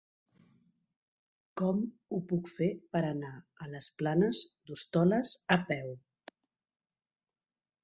Com ho puc fer per anar a les Planes d'Hostoles a peu?